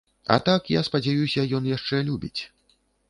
А так, я спадзяюся, ён яшчэ любіць.